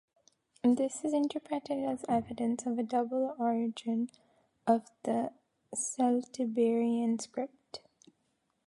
This is interpreted as evidence of a double origin of the Celtiberian script.